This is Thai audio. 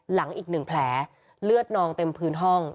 หลังอีก๑แผลเลือดนองเต็มพื้นห้อง